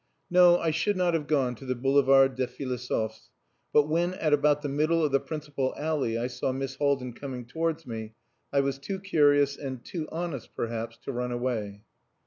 No, I should not have gone to the Boulevard des Philosophes; but when at about the middle of the principal alley I saw Miss Haldin coming towards me, I was too curious, and too honest, perhaps, to run away.